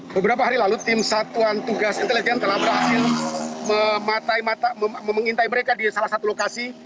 beberapa hari lalu tim satuan tugas intelijen telah berhasil mengintai mereka di salah satu lokasi